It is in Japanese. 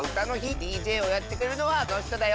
ＤＪをやってくれるのはこのひとだよ。